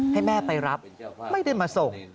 ให้แม่ไปรับไม่ได้มาส่ง